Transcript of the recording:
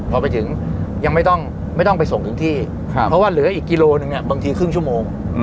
พอไปถึงยังไม่ต้องไปส่งถึงที่เพราะว่าเหลืออีกกิโลหนึ่งเนี่ยบางทีครึ่งชั่วโมง